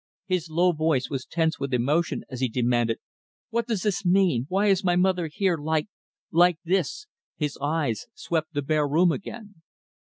His low voice was tense with emotion, as he demanded, "What does this mean? Why is my mother here like like this?" his eyes swept the bare room again.